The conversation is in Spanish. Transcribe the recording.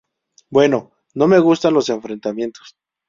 Bueno... No me gustan los enfrentamientos.